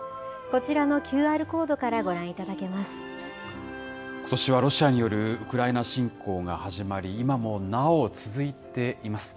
こちらのＱＲコードからご覧いたことしはロシアによるウクライナ侵攻が始まり、今もなお続いています。